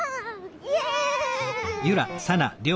イエイ！